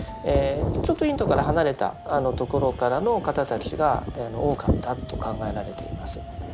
ちょっとインドから離れた所からの方たちが多かったと考えられています。